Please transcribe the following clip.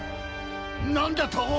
何だと！？